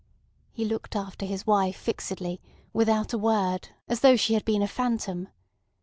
He looked after his wife fixedly, without a word, as though she had been a phantom.